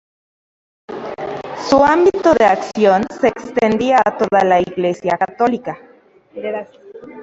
Su ámbito de acción se extendía a toda la Iglesia católica.